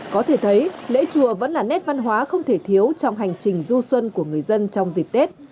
có thể thấy lễ chùa vẫn là nét văn hóa không thể thiếu trong hành trình du xuân của người dân trong dịp tết